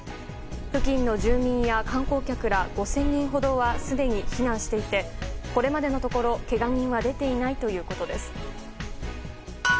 付近の住民や観光客ら５０００人ほどはすでに避難していてこれまでのところけが人は出ていないということです。